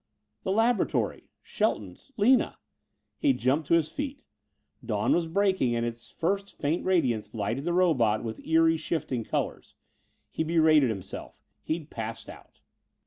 The laboratory Shelton's Lina. He jumped to his feet. Dawn was breaking and its first faint radiance lighted the robot with eery shifting colors. He berated himself: he'd passed out.